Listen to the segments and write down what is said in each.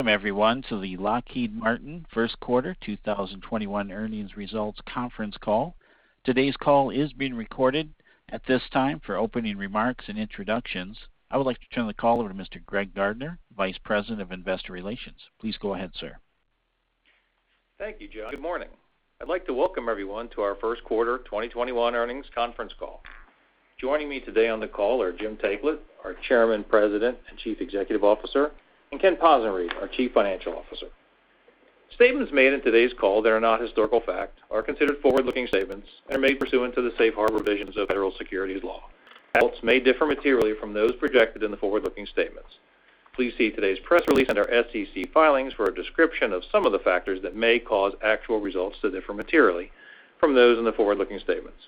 Welcome, everyone, to the Lockheed Martin first quarter 2021 earnings results conference call. Today's call is being recorded. At this time, for opening remarks and introductions, I would like to turn the call over to Mr. Greg Gardner, Vice President of Investor Relations. Please go ahead, sir. Thank you, John. Good morning. I'd like to welcome everyone to our first quarter 2021 earnings conference call. Joining me today on the call are Jim Taiclet, our Chairman, President, and Chief Executive Officer, and Kenneth Possenriede, our Chief Financial Officer. Statements made in today's call that are not historical fact are considered forward-looking statements and are made pursuant to the safe harbor provisions of federal securities law. Results may differ materially from those projected in the forward-looking statements. Please see today's press release and our SEC filings for a description of some of the factors that may cause actual results to differ materially from those in the forward-looking statements.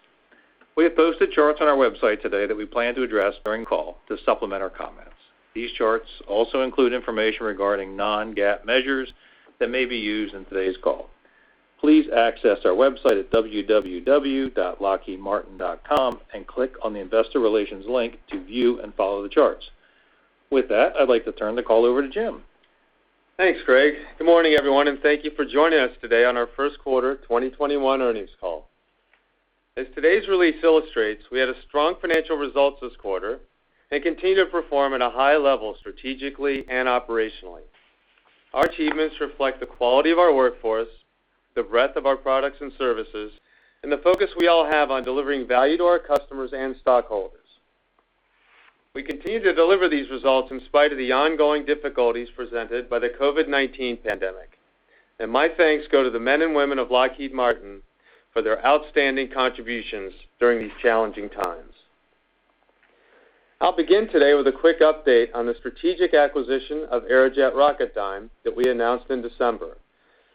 We have posted charts on our website today that we plan to address during the call to supplement our comments. These charts also include information regarding non-GAAP measures that may be used in today's call. Please access our website at lockheedmartin.com and click on the Investor Relations link to view and follow the charts. With that, I'd like to turn the call over to Jim. Thanks, Greg. Good morning, everyone, thank you for joining us today on our first quarter 2021 earnings call. As today's release illustrates, we had a strong financial result this quarter and continue to perform at a high level strategically and operationally. Our achievements reflect the quality of our workforce, the breadth of our products and services, and the focus we all have on delivering value to our customers and stockholders. We continue to deliver these results in spite of the ongoing difficulties presented by the COVID-19 pandemic. My thanks go to the men and women of Lockheed Martin for their outstanding contributions during these challenging times. I'll begin today with a quick update on the strategic acquisition of Aerojet Rocketdyne that we announced in December,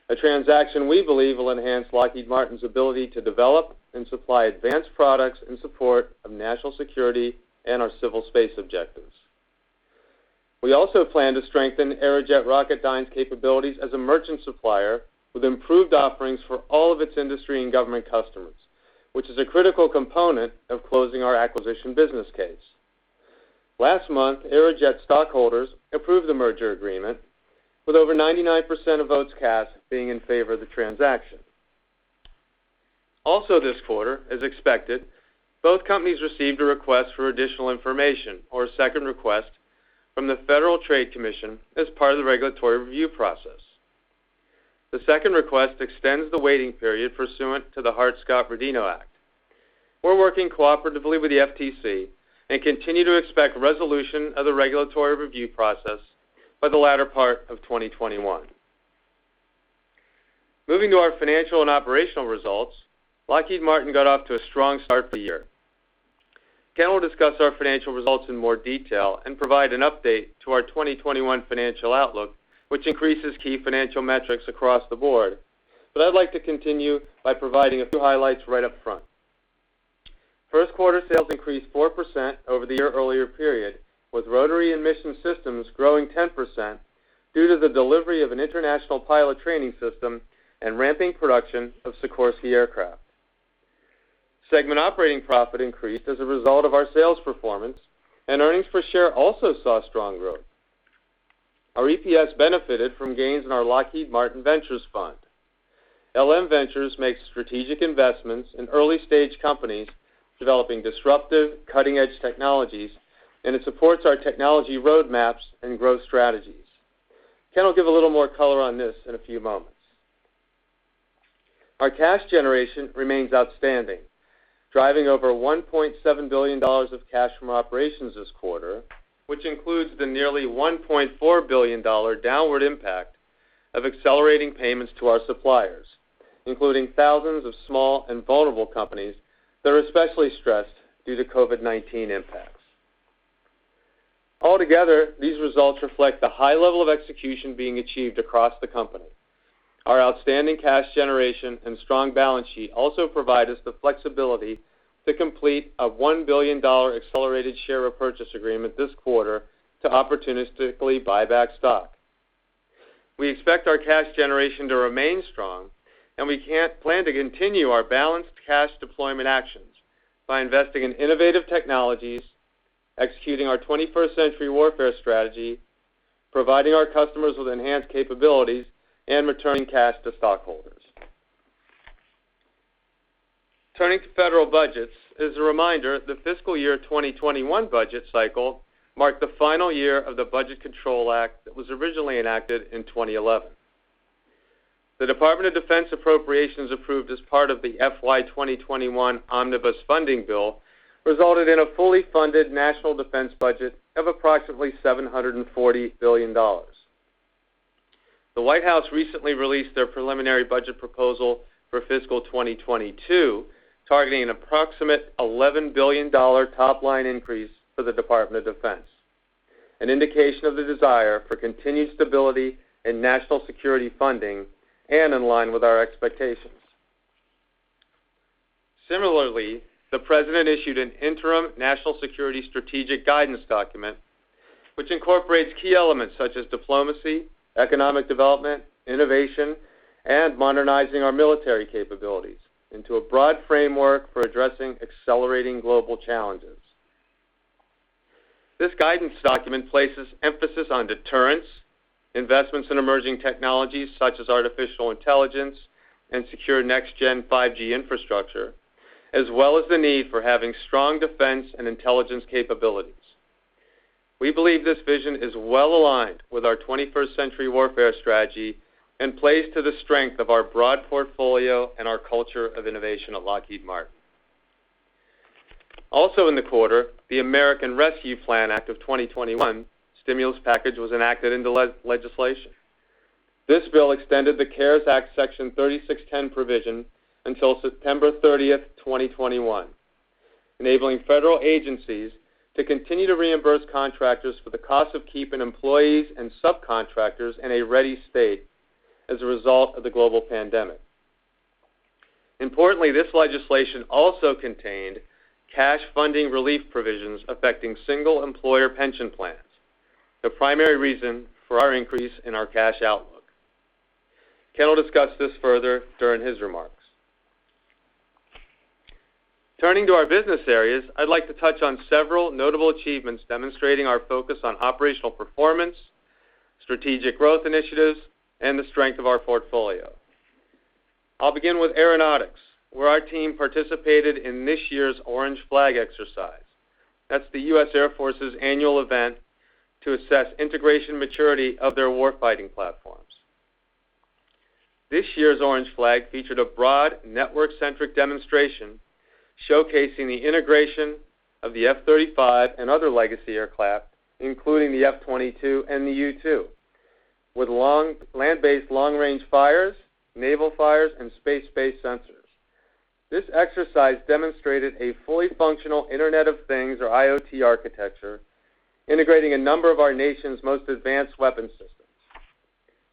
a transaction we believe will enhance Lockheed Martin's ability to develop and supply advanced products in support of national security and our civil space objectives. We also plan to strengthen Aerojet Rocketdyne's capabilities as a merchant supplier with improved offerings for all of its industry and government customers, which is a critical component of closing our acquisition business case. Last month, Aerojet stockholders approved the merger agreement, with over 99% of votes cast being in favor of the transaction. Also this quarter, as expected, both companies received a request for additional information or a second request from the Federal Trade Commission as part of the regulatory review process. The second request extends the waiting period pursuant to the Hart-Scott-Rodino Act. We're working cooperatively with the FTC and continue to expect resolution of the regulatory review process by the latter part of 2021. Moving to our financial and operational results, Lockheed Martin got off to a strong start for the year. Ken will discuss our financial results in more detail and provide an update to our 2021 financial outlook, which increases key financial metrics across the board. I'd like to continue by providing a few highlights right up front. First quarter sales increased 4% over the year earlier period, with Rotary and Mission Systems growing 10% due to the delivery of an international pilot training system and ramping production of Sikorsky aircraft. Segment operating profit increased as a result of our sales performance, and earnings per share also saw strong growth. Our EPS benefited from gains in our Lockheed Martin Ventures fund. LM Ventures makes strategic investments in early-stage companies developing disruptive, cutting-edge technologies, and it supports our technology roadmaps and growth strategies. Ken will give a little more color on this in a few moments. Our cash generation remains outstanding, driving over $1.7 billion of cash from operations this quarter, which includes the nearly $1.4 billion downward impact of accelerating payments to our suppliers, including thousands of small and vulnerable companies that are especially stressed due to COVID-19 impacts. Altogether, these results reflect the high level of execution being achieved across the company. Our outstanding cash generation and strong balance sheet also provide us the flexibility to complete a $1 billion accelerated share repurchase agreement this quarter to opportunistically buy back stock. We expect our cash generation to remain strong, and we plan to continue our balanced cash deployment actions by investing in innovative technologies, executing our 21st century warfare strategy, providing our customers with enhanced capabilities, and returning cash to stockholders. To federal budgets, as a reminder, the fiscal year 2021 budget cycle marked the final year of the Budget Control Act that was originally enacted in 2011. The Department of Defense appropriations approved as part of the FY 2021 omnibus funding bill resulted in a fully funded national defense budget of approximately $740 billion. The White House recently released their preliminary budget proposal for fiscal 2022, targeting an approximate $11 billion top-line increase for the Department of Defense, an indication of the desire for continued stability in national security funding and in line with our expectations. Similarly, the President issued an Interim National Security Strategic Guidance document, which incorporates key elements such as diplomacy, economic development, innovation, and modernizing our military capabilities into a broad framework for addressing accelerating global challenges. This guidance document places emphasis on deterrence, investments in emerging technologies such as artificial intelligence and secure next-gen 5G infrastructure, as well as the need for having strong defense and intelligence capabilities. We believe this vision is well-aligned with our 21st century warfare strategy and plays to the strength of our broad portfolio and our culture of innovation at Lockheed Martin. Also in the quarter, the American Rescue Plan Act of 2021 stimulus package was enacted into legislation. This bill extended the CARES Act Section 3610 provision until September 30th, 2021, enabling federal agencies to continue to reimburse contractors for the cost of keeping employees and subcontractors in a ready state as a result of the global pandemic. Importantly, this legislation also contained cash funding relief provisions affecting single-employer pension plans, the primary reason for our increase in our cash outlook. Ken will discuss this further during his remarks. Turning to our business areas, I'd like to touch on several notable achievements demonstrating our focus on operational performance, strategic growth initiatives, and the strength of our portfolio. I'll begin with Aeronautics, where our team participated in this year's Orange Flag exercise. That's the U.S. Air Force's annual event to assess integration maturity of their warfighting platforms. This year's Orange Flag featured a broad, network-centric demonstration showcasing the integration of the F-35 and other legacy aircraft, including the F-22 and the U-2, with land-based long-range fires, naval fires, and space-based sensors. This exercise demonstrated a fully functional Internet of things, or IoT, architecture integrating a number of our nation's most advanced weapon systems.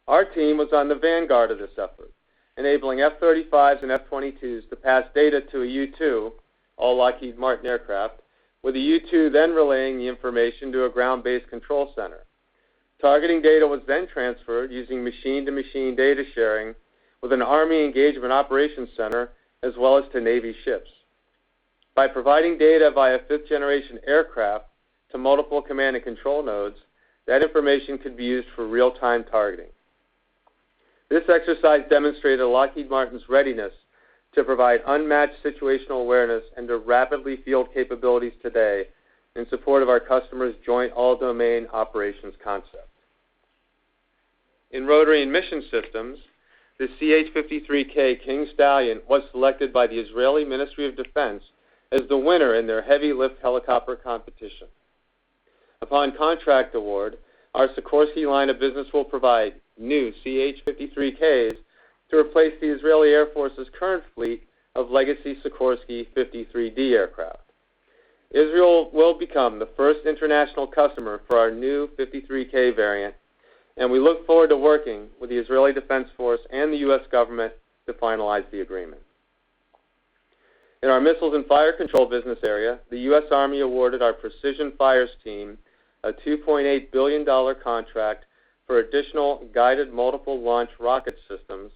Our team was on the vanguard of this effort, enabling F-35s and F-22s to pass data to a U-2, all Lockheed Martin aircraft, with the U-2 then relaying the information to a ground-based control center. Targeting data was transferred using machine-to-machine data sharing with an Army engagement operations center, as well as to Navy ships. By providing data via fifth-generation aircraft to multiple command and control nodes, that information could be used for real-time targeting. This exercise demonstrated Lockheed Martin's readiness to provide unmatched situational awareness and to rapidly field capabilities today in support of our customers' Joint All-Domain Operations concept. In Rotary and Mission Systems, the CH-53K King Stallion was selected by the Israeli Ministry of Defense as the winner in their heavy lift helicopter competition. Upon contract award, our Sikorsky line of business will provide new CH-53Ks to replace the Israeli Air Force's current fleet of legacy Sikorsky 53D aircraft. Israel will become the first international customer for our new 53K variant, and we look forward to working with the Israel Defense Forces and the U.S. government to finalize the agreement. In our Missiles and Fire Control business area, the U.S. Army awarded our precision fires team a $2.8 billion contract for additional Guided Multiple Launch Rocket System,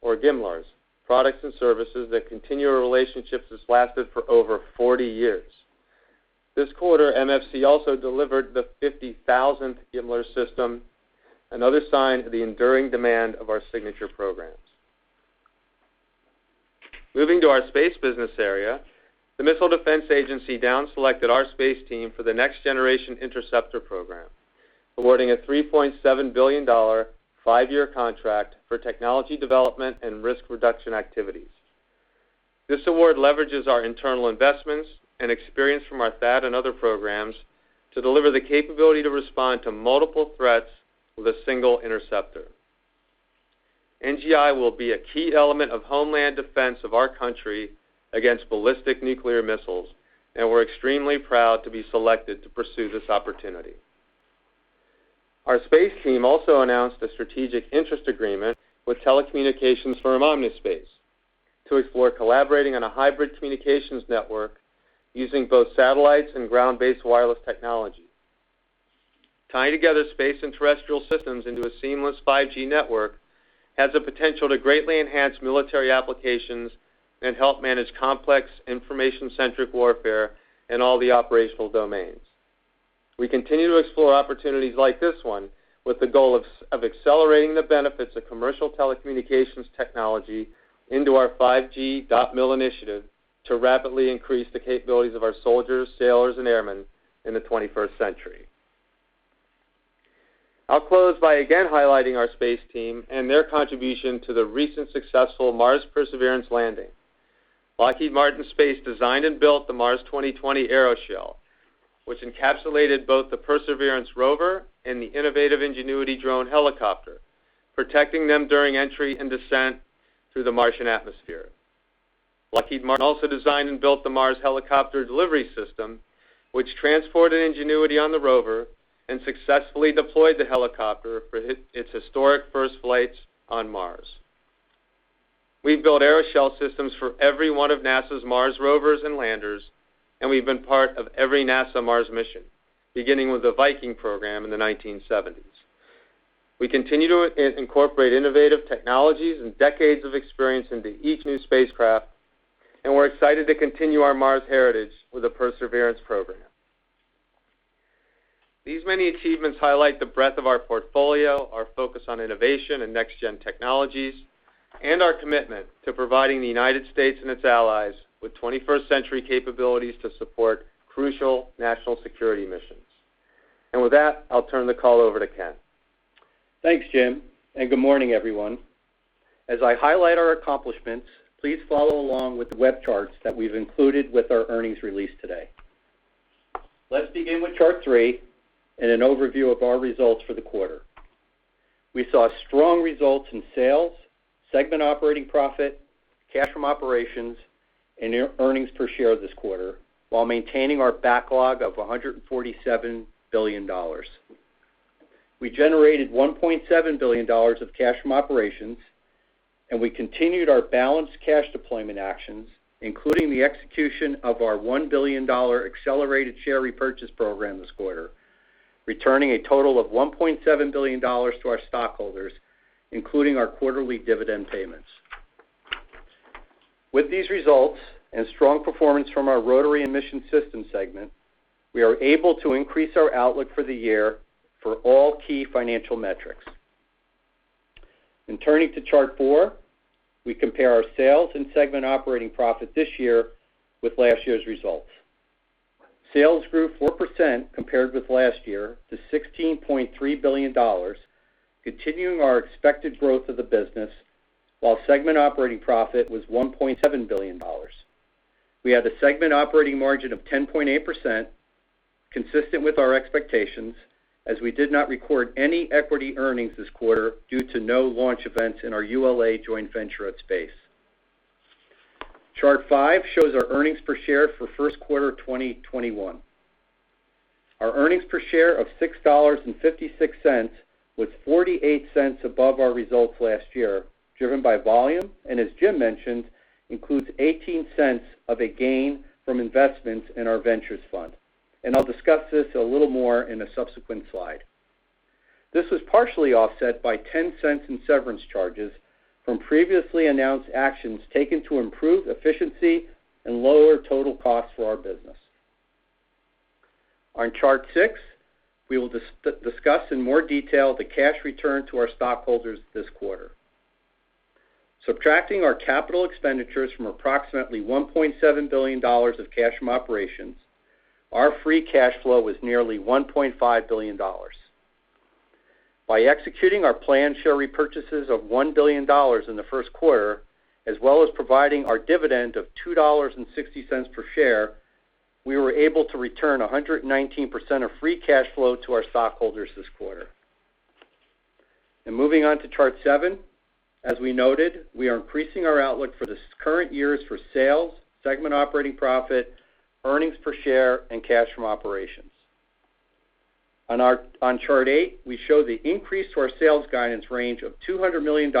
or GMLRS, products and services that continue a relationship that's lasted for over 40 years. This quarter, MFC also delivered the 50,000th GMLRS system, another sign of the enduring demand of our signature programs. Moving to our space business area, the Missile Defense Agency down selected our space team for the Next Generation Interceptor program, awarding a $3.7 billion five-year contract for technology development and risk reduction activities. This award leverages our internal investments and experience from our THAAD and other programs to deliver the capability to respond to multiple threats with a single interceptor. NGI will be a key element of homeland defense of our country against ballistic nuclear missiles, and we're extremely proud to be selected to pursue this opportunity. Our space team also announced a strategic interest agreement with telecommunications firm Omnispace to explore collaborating on a hybrid communications network using both satellites and ground-based wireless technology. Tying together space and terrestrial systems into a seamless 5G network has the potential to greatly enhance military applications and help manage complex, information-centric warfare in all the operational domains. We continue to explore opportunities like this one with the goal of accelerating the benefits of commercial telecommunications technology into our 5G.MIL initiative to rapidly increase the capabilities of our soldiers, sailors and airmen in the 21st century. I'll close by again highlighting our space team and their contribution to the recent successful Mars Perseverance landing. Lockheed Martin Space designed and built the Mars 2020 aeroshell, which encapsulated both the Perseverance rover and the innovative Ingenuity drone helicopter, protecting them during entry and descent through the Martian atmosphere. Lockheed Martin also designed and built the Mars Helicopter Delivery System, which transported Ingenuity on the rover and successfully deployed the helicopter for its historic first flights on Mars. We've built aeroshell systems for every one of NASA's Mars rovers and landers, and we've been part of every NASA Mars mission, beginning with the Viking program in the 1970s. We continue to incorporate innovative technologies and decades of experience into each new spacecraft, and we're excited to continue our Mars heritage with the Perseverance program. These many achievements highlight the breadth of our portfolio, our focus on innovation and next-gen technologies, and our commitment to providing the United States and its allies with 21st century capabilities to support crucial national security missions. With that, I'll turn the call over to Ken. Thanks, Jim. Good morning, everyone. As I highlight our accomplishments, please follow along with the web charts that we've included with our earnings release today. Let's begin with chart three and an overview of our results for the quarter. We saw strong results in sales, segment operating profit, cash from operations, and earnings per share this quarter, while maintaining our backlog of $147 billion. We generated $1.7 billion of cash from operations. We continued our balanced cash deployment actions, including the execution of our $1 billion accelerated share repurchase program this quarter, returning a total of $1.7 billion to our stockholders, including our quarterly dividend payments. With these results and strong performance from our Rotary and Mission Systems segment, we are able to increase our outlook for the year for all key financial metrics. In turning to chart four, we compare our sales and segment operating profit this year with last year's results. Sales grew 4% compared with last year, to $16.3 billion, continuing our expected growth of the business, while segment operating profit was $1.7 billion. We had a segment operating margin of 10.8%, consistent with our expectations, as we did not record any equity earnings this quarter due to no launch events in our ULA joint venture at Space. chart 5 shows our earnings per share for first quarter 2021. Our earnings per share of $6.56 was $0.48 above our results last year, driven by volume, as Jim mentioned, includes $0.18 of a gain from investments in our Ventures fund. I'll discuss this a little more in a subsequent slide. This was partially offset by $0.10 in severance charges from previously announced actions taken to improve efficiency and lower total costs for our business. On chart six, we will discuss in more detail the cash return to our stockholders this quarter. Subtracting our capital expenditures from approximately $1.7 billion of cash from operations, our free cash flow was nearly $1.5 billion. By executing our planned share repurchases of $1 billion in the first quarter, as well as providing our dividend of $2.60 per share, we were able to return 119% of free cash flow to our stockholders this quarter. Moving on to chart seven, as we noted, we are increasing our outlook for this current years for sales, segment operating profit, earnings per share, and cash from operations. On chart eight, we show the increase to our sales guidance range of $200 million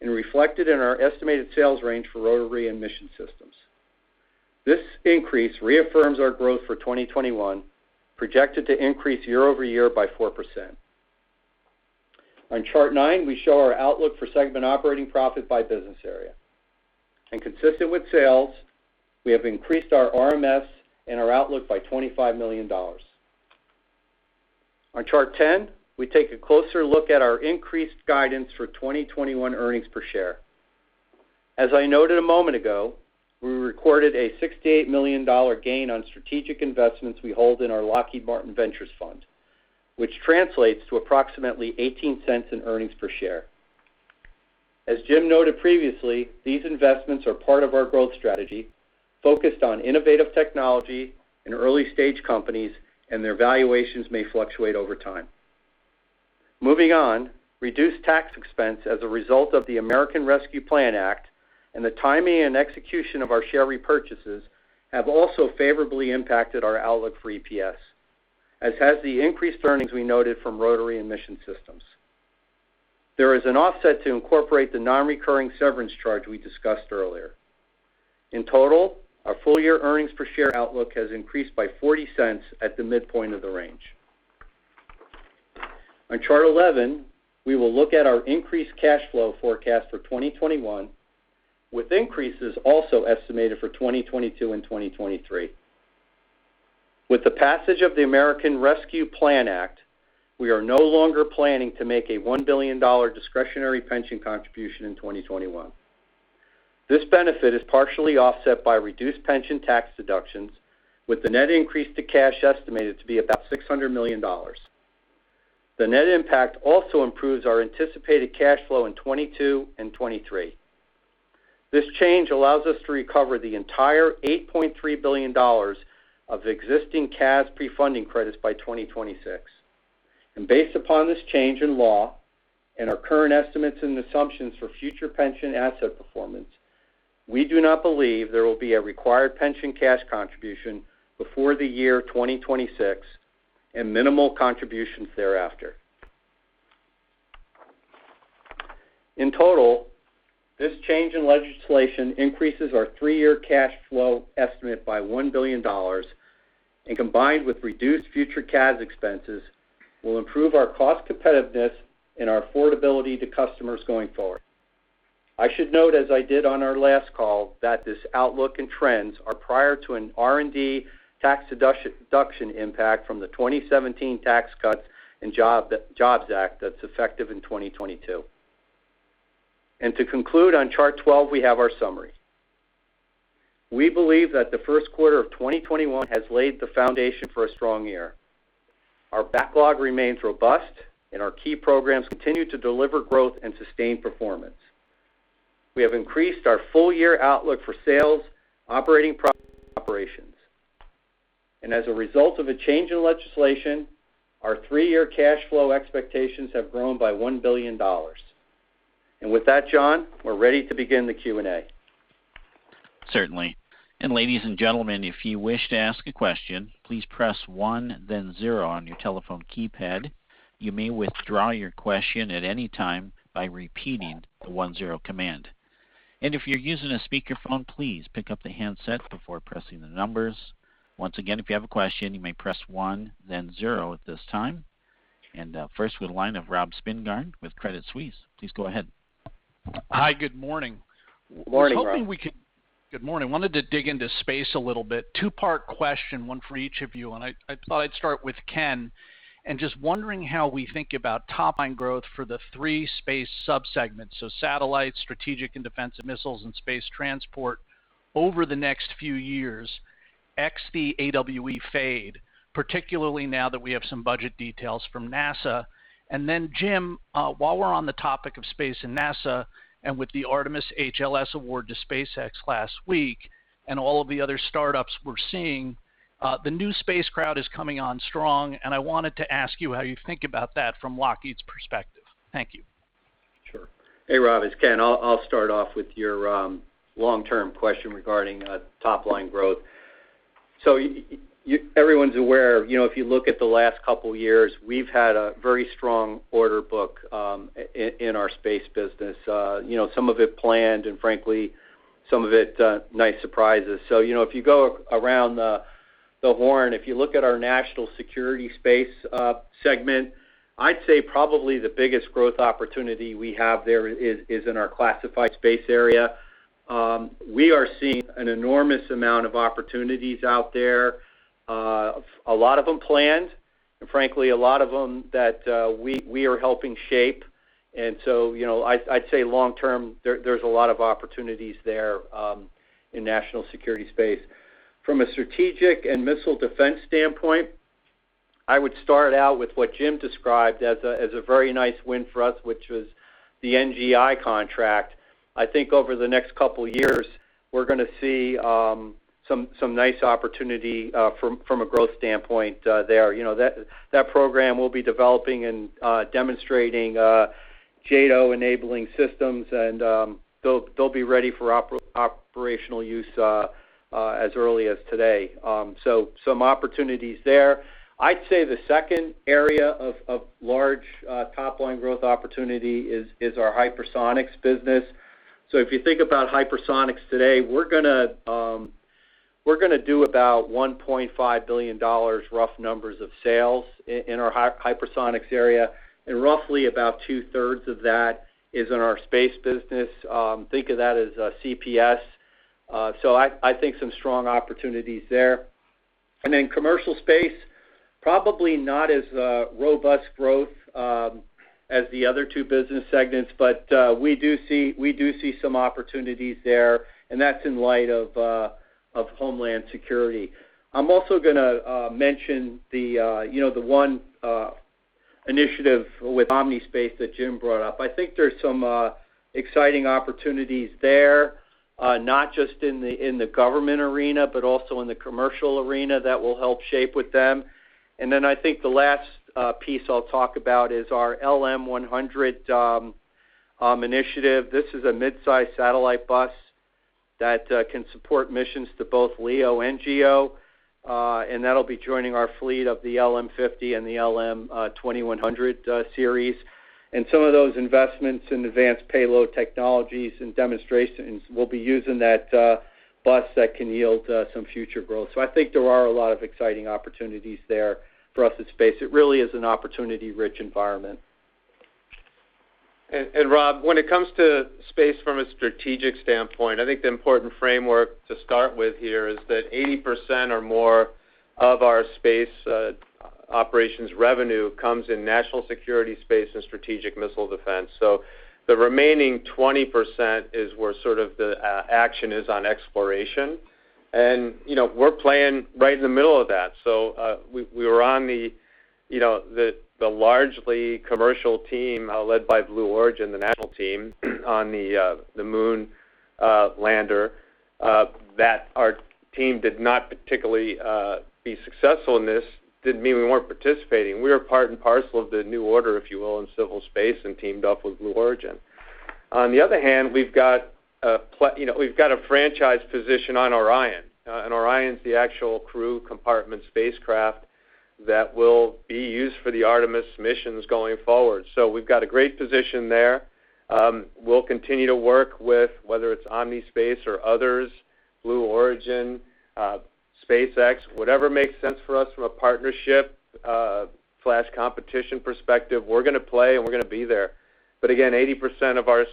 and reflect it in our estimated sales range for Rotary and Mission Systems. This increase reaffirms our growth for 2021, projected to increase year-over-year by 4%. On chart nine, we show our outlook for segment operating profit by business area. Consistent with sales, we have increased our RMS and our outlook by $25 million. On chart 10, we take a closer look at our increased guidance for 2021 earnings per share. As I noted a moment ago, we recorded a $68 million gain on strategic investments we hold in our Lockheed Martin Ventures fund, which translates to approximately $0.18 in earnings per share. As Jim noted previously, these investments are part of our growth strategy, focused on innovative technology in early-stage companies, and their valuations may fluctuate over time. Reduced tax expense as a result of the American Rescue Plan Act and the timing and execution of our share repurchases have also favorably impacted our outlook for EPS, as has the increased earnings we noted from Rotary and Mission Systems. There is an offset to incorporate the non-recurring severance charge we discussed earlier. In total, our full-year earnings per share outlook has increased by $0.40 at the midpoint of the range. On chart 11, we will look at our increased cash flow forecast for 2021, with increases also estimated for 2022 and 2023. With the passage of the American Rescue Plan Act, we are no longer planning to make a $1 billion discretionary pension contribution in 2021. This benefit is partially offset by reduced pension tax deductions, with the net increase to cash estimated to be about $600 million. The net impact also improves our anticipated cash flow in 2022 and 2023. This change allows us to recover the entire $8.3 billion of existing CAS pre-funding credits by 2026. Based upon this change in law and our current estimates and assumptions for future pension asset performance, we do not believe there will be a required pension cash contribution before the year 2026 and minimal contributions thereafter. In total, this change in legislation increases our three-year cash flow estimate by $1 billion, and combined with reduced future CAS expenses, will improve our cost competitiveness and our affordability to customers going forward. I should note, as I did on our last call, that this outlook and trends are prior to an R&D tax deduction impact from the 2017 Tax Cuts and Jobs Act that's effective in 2022. To conclude, on chart 12, we have our summary. We believe that the first quarter of 2021 has laid the foundation for a strong year. Our backlog remains robust, and our key programs continue to deliver growth and sustain performance. We have increased our full-year outlook for sales, operating profit, and operations. As a result of a change in legislation, our three-year cash flow expectations have grown by $1 billion. With that, John, we're ready to begin the Q&A. Certainly. Ladies and gentlemen, if you wish to ask a question, please press one, then zero on your telephone keypad. You may withdraw your question at any time by repeating the one-zero command. If you're using a speakerphone, please pick up the handset before pressing the numbers. Once again, if you have a question, you may press one, then zero at this time. First with the line of Rob Spingarn with Credit Suisse. Please go ahead. Hi, good morning. Morning, Rob. Good morning. Wanted to dig into space a little bit. Two-part question, one for each of you. I thought I'd start with Ken. Just wondering how we think about top-line growth for the three space sub-segments, so satellites, strategic and defensive missiles, and space transport over the next few years, ex the AWE fade, particularly now that we have some budget details from NASA. Jim, while we're on the topic of space and NASA, with the Artemis HLS award to SpaceX last week, and all of the other startups we're seeing, the new space crowd is coming on strong, and I wanted to ask you how you think about that from Lockheed's perspective. Thank you. Sure. Hey, Rob, it's Ken. I'll start off with your long-term question regarding top-line growth. Everyone's aware, if you look at the last couple of years, we've had a very strong order book in our Space business. Some of it planned, and frankly, some of it nice surprises. If you go around the horn, if you look at our national security Space segment, I'd say probably the biggest growth opportunity we have there is in our classified Space area. We are seeing an enormous amount of opportunities out there. A lot of them planned, and frankly, a lot of them that we are helping shape. I'd say long term, there's a lot of opportunities there in national security Space. From a strategic and missile defense standpoint, I would start out with what Jim described as a very nice win for us, which was the NGI contract. I think over the next couple of years, we're going to see some nice opportunity from a growth standpoint there. That program will be developing and demonstrating JADO enabling systems, they'll be ready for operational use as early as today. Some opportunities there. I'd say the second area of large top-line growth opportunity is our hypersonics business. If you think about hypersonics today, we're going to do about $1.5 billion rough numbers of sales in our hypersonics area, roughly about 2/3 of that is in our Space business. Think of that as CPS. I think some strong opportunities there. Commercial space, probably not as robust growth as the other two business segments, we do see some opportunities there, that's in light of homeland security. I'm also going to mention the one initiative with Omnispace that Jim brought up. I think there's some exciting opportunities there, not just in the government arena, but also in the commercial arena that we'll help shape with them. Then I think the last piece I'll talk about is our LM-100 initiative. This is a mid-size satellite bus that can support missions to both LEO and GEO, and that'll be joining our fleet of the LM 50 and the LM 2100 series. Some of those investments in advanced payload technologies and demonstrations will be used in that bus that can yield some future growth. I think there are a lot of exciting opportunities there for us in space. It really is an opportunity-rich environment. Rob, when it comes to space from a strategic standpoint, I think the important framework to start with here is that 80% or more of our space operations revenue comes in National Security Space and strategic missile defense. The remaining 20% is where sort of the action is on exploration. We're playing right in the middle of that. We were on the largely commercial team led by Blue Origin, the national team, on the Moon lander. That our team did not particularly be successful in this didn't mean we weren't participating. We were part and parcel of the new order, if you will, in civil space and teamed up with Blue Origin. On the other hand, we've got a franchise position on Orion. Orion's the actual crew compartment spacecraft that will be used for the Artemis missions going forward. We've got a great position there. We'll continue to work with, whether it's Omnispace or others, Blue Origin, SpaceX, whatever makes sense for us from a partnership/competition perspective, we're going to play and we're going to be there. Again, 80% of our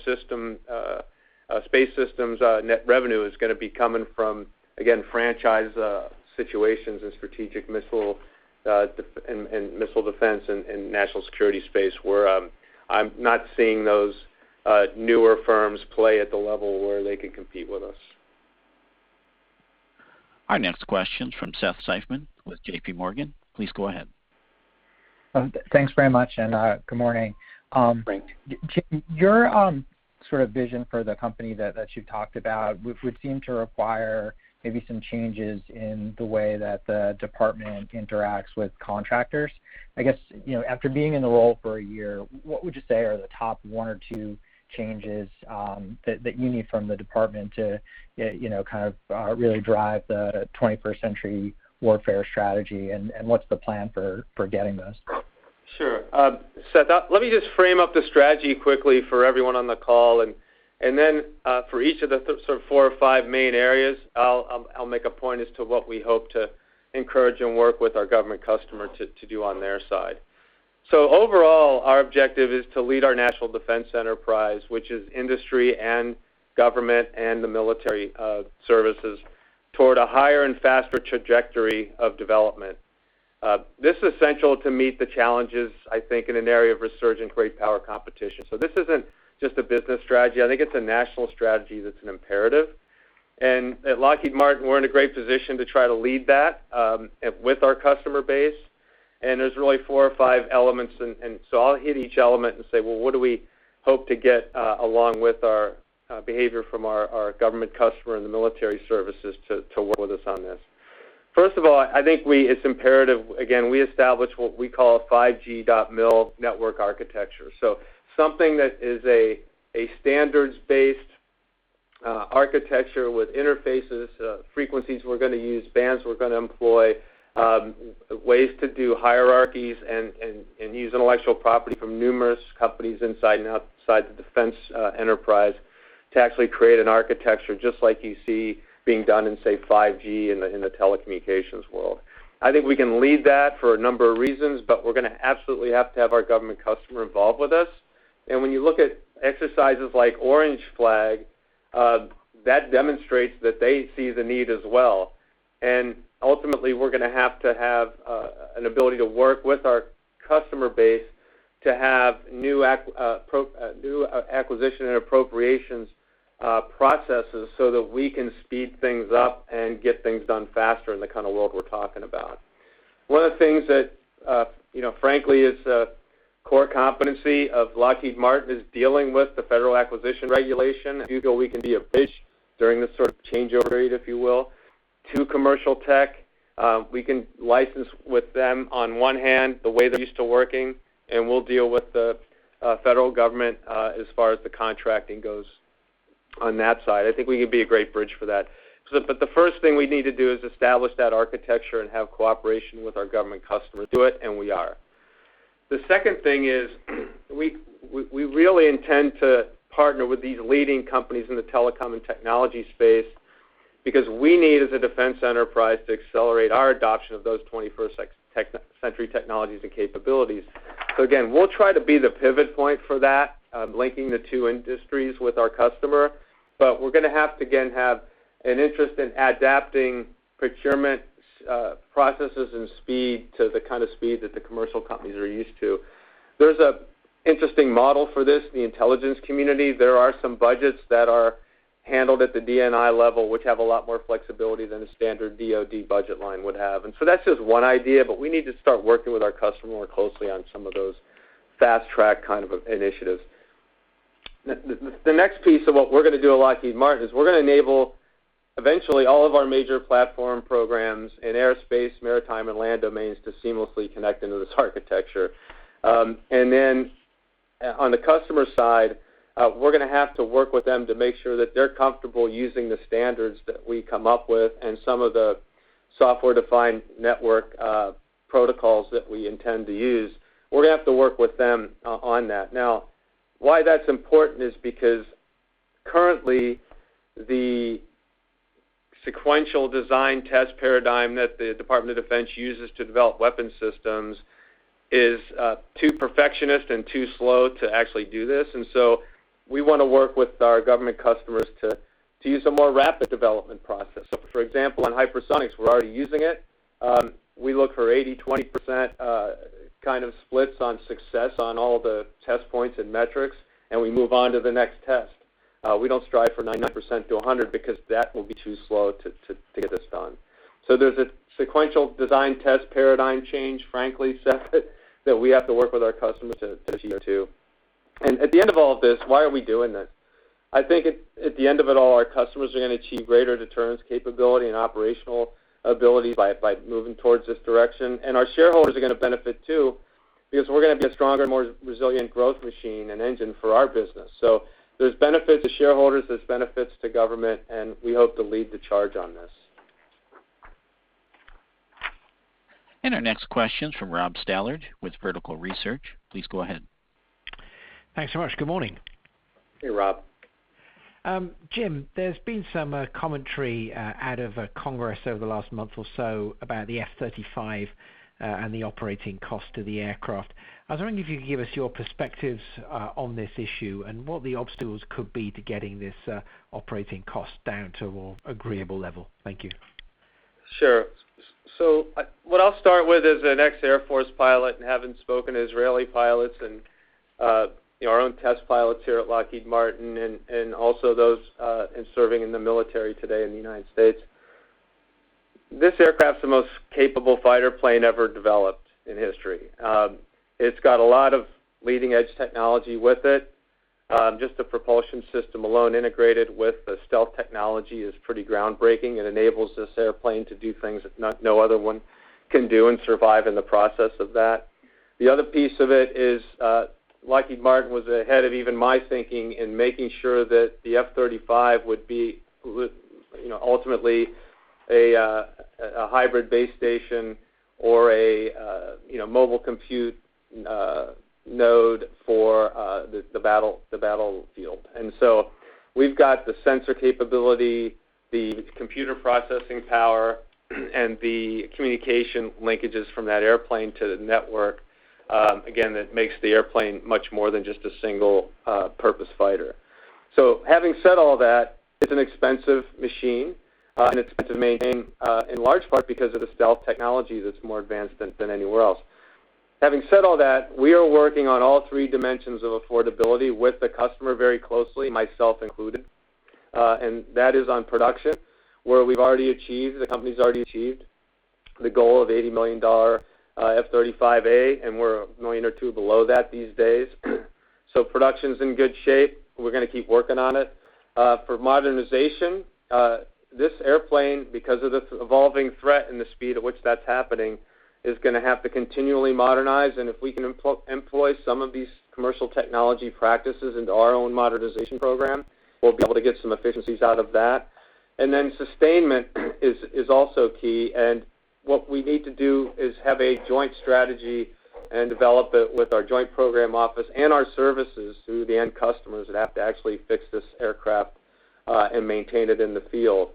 space systems net revenue is going to be coming from, again, franchise situations and strategic missile defense and national security space, where I'm not seeing those newer firms play at the level where they could compete with us. Our next question's from Seth Seifman with JPMorgan. Please go ahead. Thanks very much, and good morning. Morning. Jim, your sort of vision for the company that you've talked about would seem to require maybe some changes in the way that the Department interacts with contractors. I guess, after being in the role for a year, what would you say are the top one or two changes that you need from the Department to kind of really drive the 21st Century Warfare Strategy, and what's the plan for getting those? Sure. Seth, let me just frame up the strategy quickly for everyone on the call, and then, for each of the sort of four or five main areas, I'll make a point as to what we hope to encourage and work with our government customer to do on their side. Overall, our objective is to lead our national defense enterprise, which is industry and government and the military services, toward a higher and faster trajectory of development. This is essential to meet the challenges, I think, in an area of resurgent great power competition. This isn't just a business strategy. I think it's a national strategy that's an imperative. At Lockheed Martin, we're in a great position to try to lead that with our customer base, and there's really four or five elements, so I'll hit each element and say, well, what do we hope to get along with our behavior from our government customer and the military services to work with us on this. First of all, I think it's imperative, again, we establish what we call a 5G.MIL network architecture. Something that is a standards-based architecture with interfaces, frequencies we're going to use, bands we're going to employ, ways to do hierarchies and use intellectual property from numerous companies inside and outside the defense enterprise to actually create an architecture just like you see being done in, say, 5G in the telecommunications world. I think we can lead that for a number of reasons, but we're going to absolutely have to have our government customer involved with us. When you look at exercises like Orange Flag, that demonstrates that they see the need as well. Ultimately, we're going to have to have an ability to work with our customer base to have new acquisition and appropriations processes so that we can speed things up and get things done faster in the kind of world we're talking about. One of the things that, frankly, is a core competency of Lockheed Martin is dealing with the Federal Acquisition Regulation. I do feel we can be a bridge during this sort of changeover period, if you will, to commercial tech. We can license with them on one hand the way they're used to working, and we'll deal with the Federal Government as far as the contracting goes on that side. I think we can be a great bridge for that. The first thing we need to do is establish that architecture and have cooperation with our government customer to do it, and we are. The second thing is we really intend to partner with these leading companies in the telecom and technology space because we need, as a defense enterprise, to accelerate our adoption of those 21st century technologies and capabilities. Again, we'll try to be the pivot point for that, linking the two industries with our customer. We're going to have to, again, have an interest in adapting procurement processes and speed to the kind of speed that the commercial companies are used to. There's an interesting model for this, the intelligence community. There are some budgets that are handled at the DNI level, which have a lot more flexibility than a standard DoD budget line would have. That's just one idea, but we need to start working with our customer more closely on some of those fast-track kind of initiatives. The next piece of what we're going to do at Lockheed Martin is we're going to enable, eventually, all of our major platform programs in aerospace, maritime, and land domains to seamlessly connect into this architecture. On the customer side, we're going to have to work with them to make sure that they're comfortable using the standards that we come up with and some of the software-defined network protocols that we intend to use. We're going to have to work with them on that. Why that's important is because currently, the sequential design test paradigm that the Department of Defense uses to develop weapons systems is too perfectionist and too slow to actually do this. We want to work with our government customers to use a more rapid development process. For example, on hypersonics, we're already using it. We look for 80%/20% kind of splits on success on all the test points and metrics, and we move on to the next test. We don't strive for 99%-100% because that will be too slow to get this done. There's a sequential design test paradigm change, frankly, Seth, that we have to work with our customers to adhere to. At the end of all of this, why are we doing this? I think at the end of it all, our customers are going to achieve greater deterrence capability and operational ability by moving towards this direction. Our shareholders are going to benefit, too. Because we're going to be a stronger, more resilient growth machine and engine for our business. There's benefits to shareholders, there's benefits to government, and we hope to lead the charge on this. Our next question is from Rob Stallard with Vertical Research. Please go ahead. Thanks so much. Good morning. Hey, Rob. Jim, there's been some commentary out of Congress over the last month or so about the F-35 and the operating cost of the aircraft. I was wondering if you could give us your perspectives on this issue and what the obstacles could be to getting this operating cost down to a more agreeable level. Thank you. What I'll start with, as an ex-Air Force pilot and having spoken to Israeli pilots and our own test pilots here at Lockheed Martin and also those serving in the military today in the U.S., this aircraft's the most capable fighter plane ever developed in history. It's got a lot of leading-edge technology with it. Just the propulsion system alone, integrated with the stealth technology, is pretty groundbreaking and enables this airplane to do things that no other one can do and survive in the process of that. The other piece of it is Lockheed Martin was ahead of even my thinking in making sure that the F-35 would be ultimately a hybrid base station or a mobile compute node for the battlefield. We've got the sensor capability, the computer processing power, and the communication linkages from that airplane to the network, again, that makes the airplane much more than just a single-purpose fighter. Having said all that, it's an expensive machine, and it's expensive to maintain, in large part because of the stealth technology that's more advanced than anywhere else. Having said all that, we are working on all three dimensions of affordability with the customer very closely, myself included. That is on production, where the company's already achieved the goal of $80 million F-35A, and we're a million or two below that these days. Production's in good shape. We're going to keep working on it. For modernization, this airplane, because of the evolving threat and the speed at which that's happening, is going to have to continually modernize. If we can employ some of these commercial technology practices into our own modernization program, we'll be able to get some efficiencies out of that. Sustainment is also key. What we need to do is have a joint strategy and develop it with our joint program office and our services, who are the end customers that have to actually fix this aircraft and maintain it in the field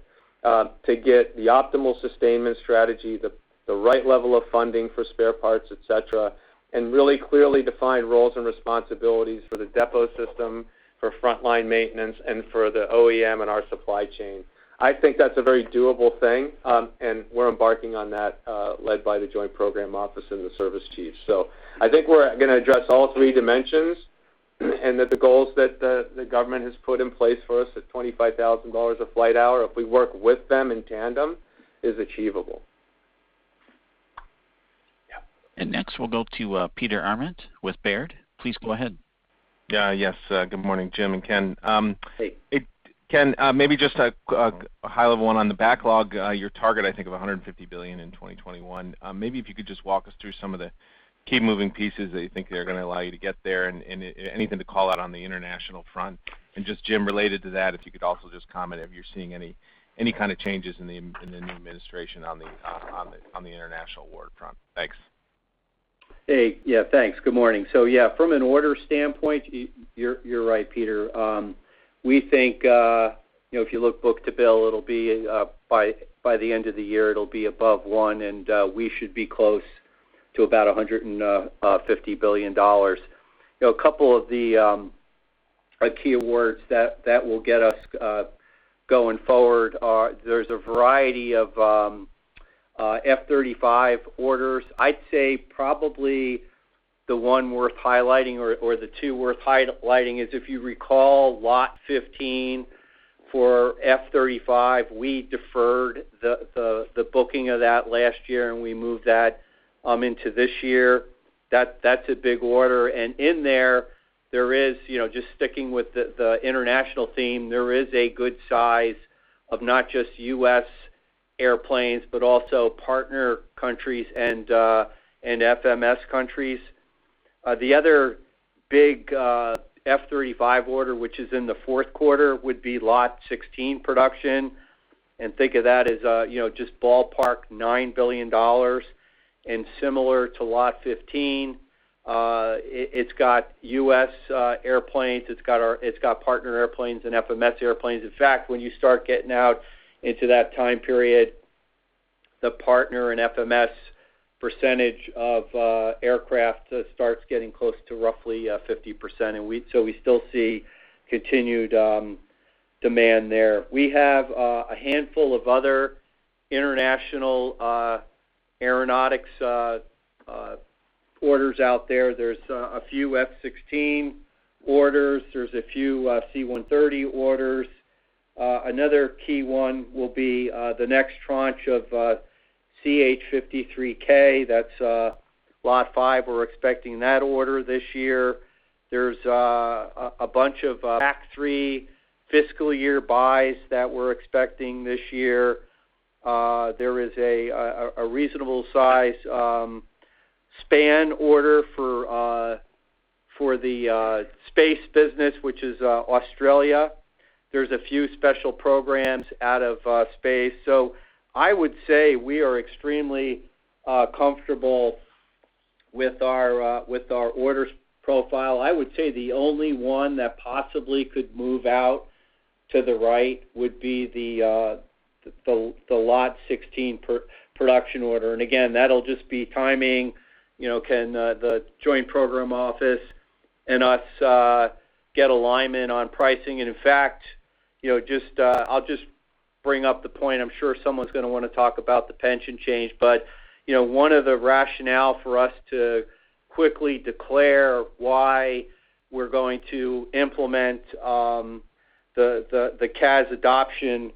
to get the optimal sustainment strategy, the right level of funding for spare parts, et cetera, and really clearly define roles and responsibilities for the depot system, for frontline maintenance, and for the OEM and our supply chain. I think that's a very doable thing. We're embarking on that led by the joint program office and the service chiefs. I think we're going to address all three dimensions, and that the goals that the government has put in place for us at $25,000 a flight hour, if we work with them in tandem, is achievable. Next, we'll go to Peter Arment with Baird. Please go ahead. Yes. Good morning, Jim and Ken. Hey. Ken, maybe just a high-level one on the backlog, your target, I think, of $150 billion in 2021. Maybe if you could just walk us through some of the key moving pieces that you think are going to allow you to get there and anything to call out on the international front. Just, Jim, related to that, if you could also just comment if you're seeing any kind of changes in the new administration on the international award front. Thanks. Hey. Yeah, thanks. Good morning. Yeah, from an order standpoint, you're right, Peter. We think, if you look book to bill, by the end of the year, it'll be above one, and we should be close to about $150 billion. A couple of the key awards that will get us going forward are, there's a variety of F-35 orders. I'd say probably the one worth highlighting, or the two worth highlighting, is if you recall Lot 15 for F-35, we deferred the booking of that last year, and we moved that into this year. That's a big order. In there, just sticking with the international theme, there is a good size of not just U.S. airplanes, but also partner countries and FMS countries. The other big F-35 order, which is in the fourth quarter, would be Lot 16 production. Think of that as just ballpark $9 billion. Similar to Lot 15, it's got U.S. airplanes, it's got partner airplanes, and FMS airplanes. In fact, when you start getting out into that time period, the partner and FMS percentage of aircraft starts getting close to roughly 50%. We still see continued demand there. We have a handful of other international aeronautics orders out there. There's a few F-16 orders. There's a few C-130 orders. Another key one will be the next tranche of CH-53K. That's Lot 5. We're expecting that order this year. There's a bunch of PAC-3 fiscal year buys that we're expecting this year. There is a reasonable size Space order for the space business, which is Australia. There's a few special programs out of Space. I would say we are extremely comfortable with our orders profile. I would say the only one that possibly could move out to the right would be the Lot 16 production order. Again, that'll just be timing. Can the joint program office and us get alignment on pricing? In fact, I'll just bring up the point, I'm sure someone's going to want to talk about the pension change, but one of the rationale for us to quickly declare why we're going to implement the CAS adoption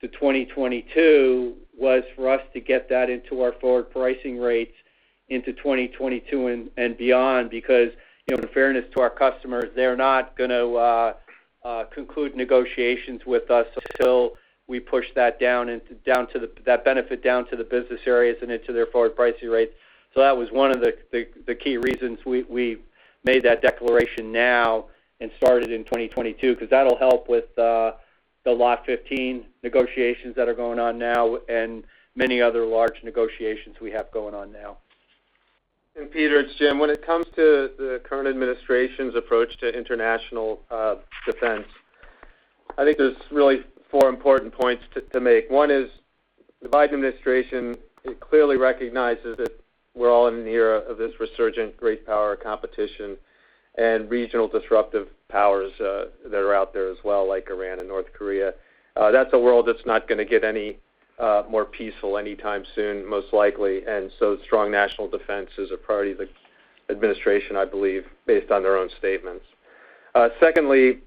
to 2022 was for us to get that into our forward pricing rates into 2022 and beyond, because in fairness to our customers, they're not going to conclude negotiations with us until we push that benefit down to the business areas and into their forward pricing rates. That was one of the key reasons we made that declaration now and started in 2022, because that'll help with the Lot 15 negotiations that are going on now and many other large negotiations we have going on now. Peter, it's Jim. When it comes to the current administration's approach to international defense, I think there's really four important points to make. One is the Biden administration, it clearly recognizes that we're all in an era of this resurgent great power competition and regional disruptive powers that are out there as well, like Iran and North Korea. That's a world that's not going to get any more peaceful anytime soon, most likely. Strong national defense is a priority of the administration, I believe, based on their own statements. Secondly,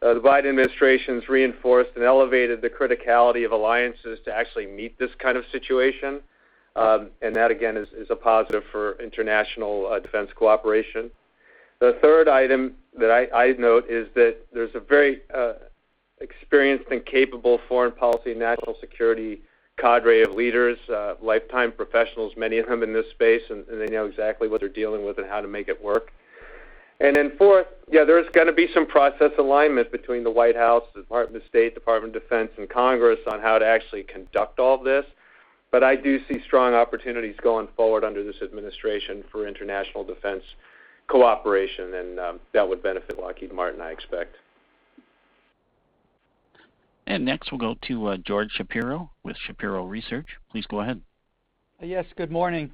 the Biden administration's reinforced and elevated the criticality of alliances to actually meet this kind of situation. That, again, is a positive for international defense cooperation. The third item that I'd note is that there's a very experienced and capable foreign policy and national security cadre of leaders, lifetime professionals, many of them in this space, and they know exactly what they're dealing with and how to make it work. Fourth, yeah, there's going to be some process alignment between the White House, Department of State, Department of Defense, and Congress on how to actually conduct all this. I do see strong opportunities going forward under this administration for international defense cooperation, and that would benefit Lockheed Martin, I expect. Next, we'll go to George Shapiro with Shapiro Research. Please go ahead. Yes, good morning.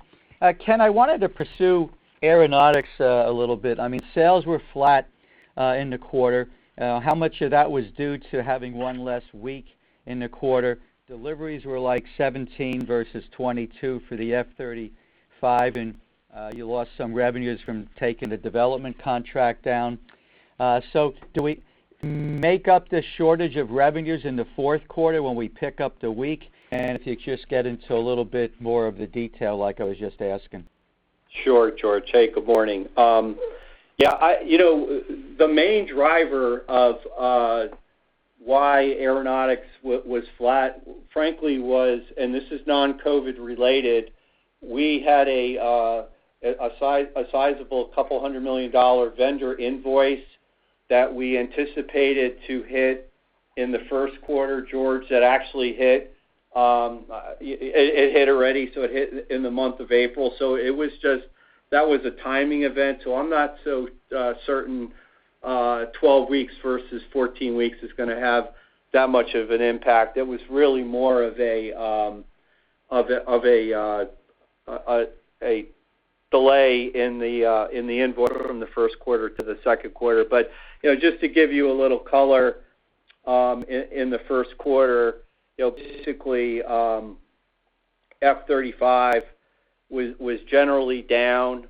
Ken, I wanted to pursue aeronautics a little bit. I mean sales were flat in the quarter. How much of that was due to having one less week in the quarter? Deliveries were like 17 versus 22 for the F-35, and you lost some revenues from taking the development contract down. Do we make up the shortage of revenues in the fourth quarter when we pick up the week? If you just get into a little bit more of the detail like I was just asking. Sure, George. Hey, good morning. Yeah, the main driver of why aeronautics was flat, frankly, was, and this is non-COVID related, we had a sizable $200 million vendor invoice that we anticipated to hit in the first quarter, George, that actually hit. It hit already. It hit in the month of April. That was a timing event. I'm not so certain 12 weeks versus 14 weeks is going to have that much of an impact. It was really more of a delay in the invoice from the first quarter to the second quarter. Just to give you a little color, in the first quarter, basically, F-35 was generally down,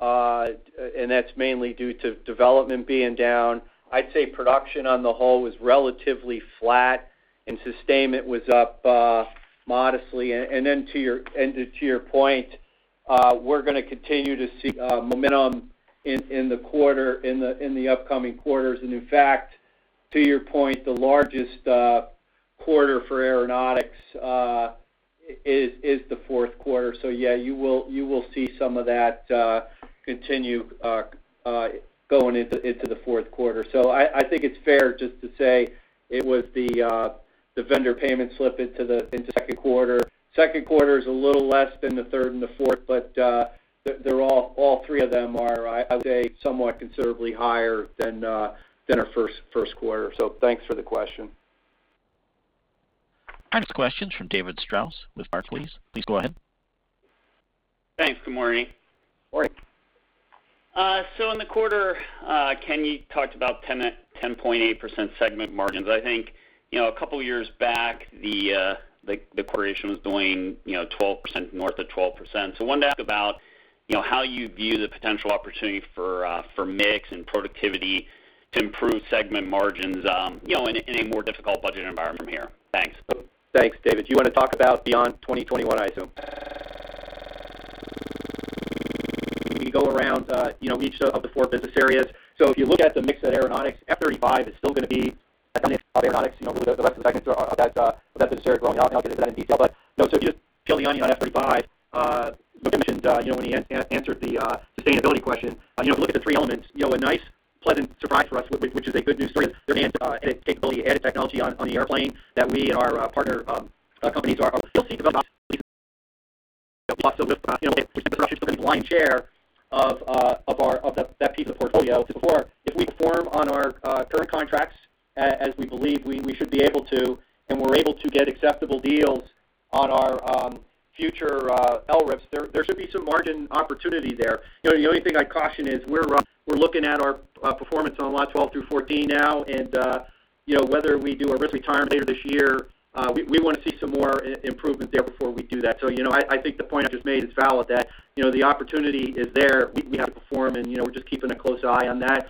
and that's mainly due to development being down. I'd say production on the whole was relatively flat, and sustainment was up modestly. To your point, we're going to continue to see momentum in the upcoming quarters. In fact, to your point, the largest quarter for Aeronautics is the fourth quarter. Yeah, you will see some of that continue going into the fourth quarter. I think it's fair just to say it was the vendor payment slip into second quarter. Second quarter is a little less than the third and the fourth, but all three of them are, I would say, somewhat considerably higher than our first quarter. Thanks for the question. Our next question's from David Strauss with Barclays. Please go ahead. Thanks. Good morning. Morning. In the quarter, Ken, you talked about 10.8% segment margins. I think a couple years back, the corporation was doing north of 12%. I wanted to ask about how you view the potential opportunity for mix and productivity to improve segment margins in a more difficult budget environment from here. Thanks. Thanks, David. You want to talk about beyond 2021, I assume? We can go around each of the four business areas. If you look at the mix of Aeronautics, F-35 is still going to be Aeronautics. The rest of the segments are of that business area growing. I'll get into that in detail, if you just peel the onion on F-35, like I mentioned when he answered the sustainability question, if you look at the three elements, a nice pleasant surprise for us, which is a good news story, is demand and capability, added technology on the airplane that we and our partner companies are still seeing demand. We're seeing disruptions for the lion's share of that piece of portfolio. If we perform on our current contracts, as we believe we should be able to, and we're able to get acceptable deals on our future LRIPs, there should be some margin opportunity there. The only thing I'd caution is we're looking at our performance on Lot 12 through Lot 14 now, and whether we do a risk retirement later this year, we want to see some more improvement there before we do that. I think the point I just made is valid that the opportunity is there. We have to perform, and we're just keeping a close eye on that.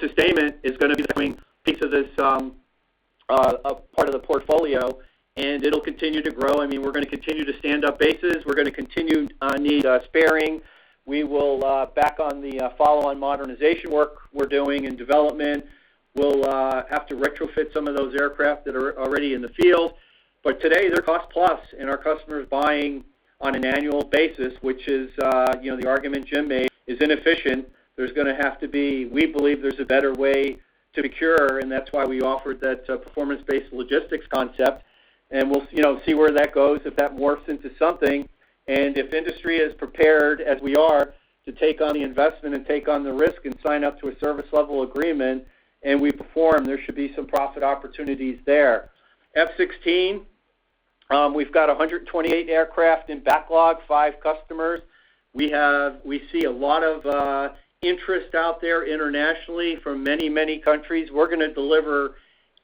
Sustainment is going to be the growing piece of this part of the portfolio, and it'll continue to grow. We're going to continue to stand up bases. We're going to continue to need sparing. We will back the follow-on modernization work we're doing in development. We'll have to retrofit some of those aircraft that are already in the field. Today they're cost-plus and our customers buying on an annual basis, which is the argument Jim made is inefficient. We believe there's a better way to procure, and that's why we offered that performance-based logistics concept, and we'll see where that goes if that morphs into something, and if industry is prepared, as we are, to take on the investment and take on the risk and sign up to a service level agreement, and we perform, there should be some profit opportunities there. F-16, we've got 128 aircraft in backlog, five customers. We see a lot of interest out there internationally from many, many countries. We're going to deliver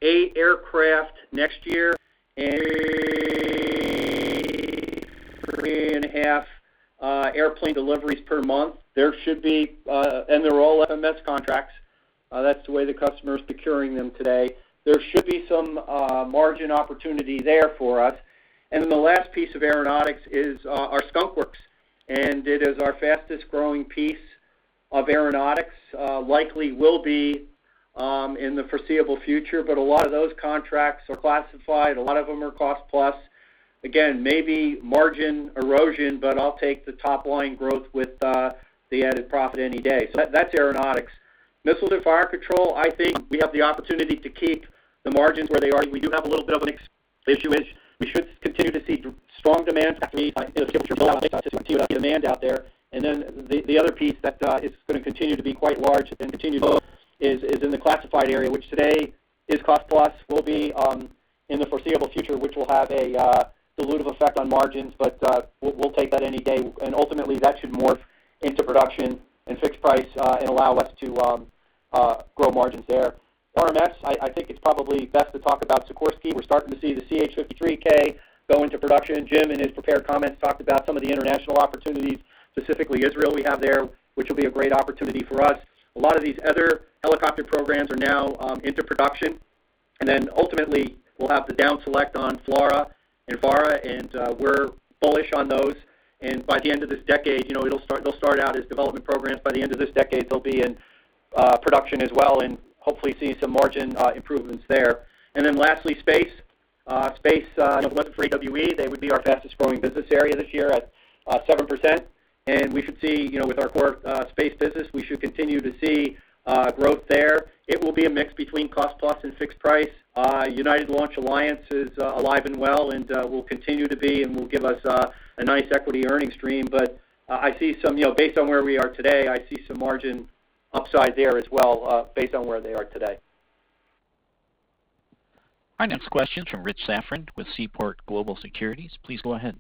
eight aircraft next year and 3.5 airplane deliveries per month. They're all FMS contracts. That's the way the customer's procuring them today. There should be some margin opportunity there for us. The last piece of Aeronautics is our Skunk Works, and it is our fastest-growing piece of Aeronautics, likely will be in the foreseeable future. A lot of those contracts are classified. A lot of them are cost-plus. Again, maybe margin erosion, but I'll take the top-line growth with the added profit any day. That's Aeronautics. Missiles & Fire Control, I think we have the opportunity to keep the margins where they are. We do have a little bit of an issue, which we should continue to see strong demand for [distortion] demand out there. The other piece that is going to continue to be quite large and continue to grow is in the classified area, which today is cost-plus, will be in the foreseeable future, which will have a dilutive effect on margins. We'll take that any day, and ultimately that should morph into production and fixed price and allow us to grow margins there. RMS, I think it's probably best to talk about Sikorsky. We're starting to see the CH-53K go into production. Jim, in his prepared comments, talked about some of the international opportunities, specifically Israel we have there, which will be a great opportunity for us. A lot of these other helicopter programs are now into production. Ultimately we'll have the down select on FLRAA and FARA, and we're bullish on those. By the end of this decade, they'll start out as development programs. By the end of this decade, they'll be in production as well and hopefully see some margin improvements there. Lastly, space. Space, it wasn't for AWE, they would be our fastest-growing business area this year at 7%. We should see with our core space business, we should continue to see growth there. It will be a mix between cost-plus and fixed price. United Launch Alliance is alive and well and will continue to be and will give us a nice equity earnings stream. Based on where we are today, I see some margin upside there as well based on where they are today. Our next question's from Richard Safran with Seaport Global Securities. Please go ahead.